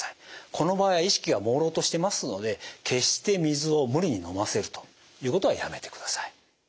この場合意識がもうろうとしてますので決して水を無理に飲ませるということはやめてください。